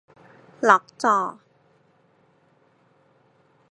ล็อกจอ